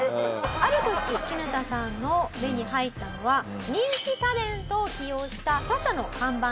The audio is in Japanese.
ある時キヌタさんの目に入ったのは人気タレントを起用した他社の看板でした。